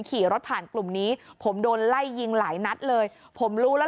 ขี่รถผ่านกลุ่มนี้ผมโดนไล่ยิงหลายนัดเลยผมรู้แล้ว